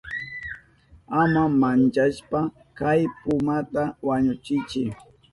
Ama manchashpa kay pumata wañuchiychi.